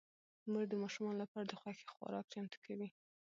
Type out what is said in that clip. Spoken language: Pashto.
مور د ماشومانو لپاره د خوښې خوراک چمتو کوي